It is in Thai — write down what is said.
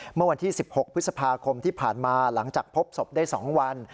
เมื่อวันที่๑๖พฤษภาคมที่ผ่านมาหลังจากพบศพได้๒วัน